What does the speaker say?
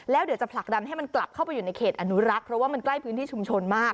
แล้วเดี๋ยวจะผลักดันให้มันกลับเข้าไปอยู่ในเขตอนุรักษ์เพราะว่ามันใกล้พื้นที่ชุมชนมาก